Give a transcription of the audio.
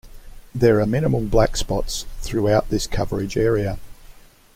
There are minimal blackspots throughout this coverage area.